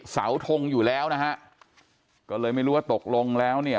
เสาทงอยู่แล้วนะฮะก็เลยไม่รู้ว่าตกลงแล้วเนี่ย